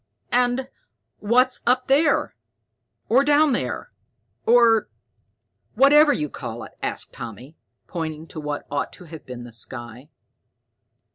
"And what's up there, or down there, or whatever you call it?" asked Tommy, pointing to what ought to have been the sky.